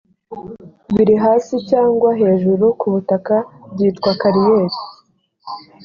biri hasi cyangwa hejuru ku butaka byitwa kariyeri.